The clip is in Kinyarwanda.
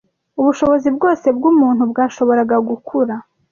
Ubushobozi bwose bw’umuntu bwashoboraga gukura